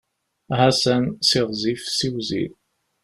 Aha san! Siɣzif, siwzil.